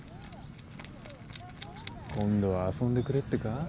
今度は遊んでくれってか？